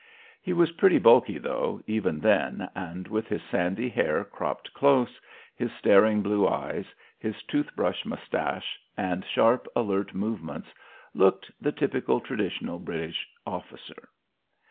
He was pretty bulky, though, even then, and with his sandy hair cropped close, his staring blue eyes, his toothbrush moustache and sharp, alert movements, looked the typical traditional British officer.